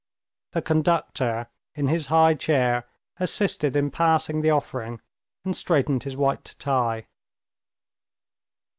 The conductor in his high chair assisted in passing the offering, and straightened his white tie.